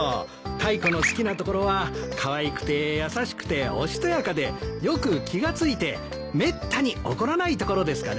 タイコの好きなところはかわいくて優しくておしとやかでよく気が付いてめったに怒らないところですかね。